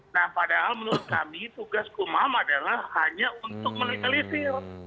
nah padahal menurut kami tugas kumham adalah hanya untuk mencari penyelidikan